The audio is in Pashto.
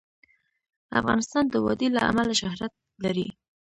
افغانستان د وادي له امله شهرت لري.